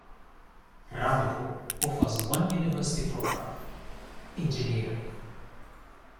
Ramapo offers one University Program: Engineering.